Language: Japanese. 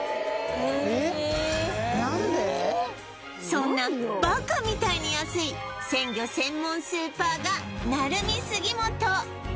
そんなバカみたいに安い鮮魚専門スーパーがナルミ杉本